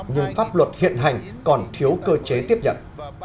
nhưng pháp luật hiện hành còn thiếu cơ chế tiếp nhận